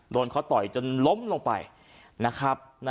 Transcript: โดนเขาต่อยจนล้มลงไปนะครับ